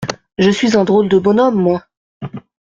Je suis un drôle de bonhomme, moi !…